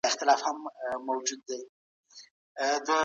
انتقاد پرې وکړو. د پښتنو پر مشرانو د دې تبعیضونو